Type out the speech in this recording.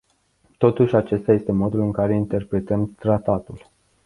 Totuși acesta este modul în care interpretăm tratatul.